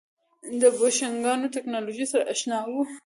د بوشنګانو ټکنالوژۍ سره اشنا وو.